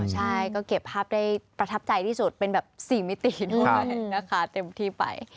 ใช่ก็เก็บภาพได้ประทับใจที่สุดเป็นแบบ๔มิติด้วยนะคะเต็มที่ไป